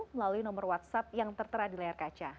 melalui nomor whatsapp yang tertera di layar kaca